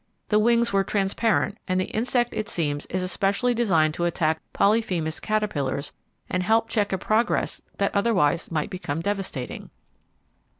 The wings were transparent and the insect it seems is especially designed to attack Polyphemus caterpillars and help check a progress that otherwise might become devastating.